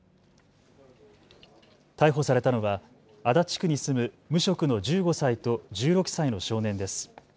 逮捕されたのは足立区に住む無職の１５歳と１６歳の少年です。